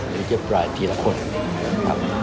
ก็จะอภิปรายก็จะเนียวครับ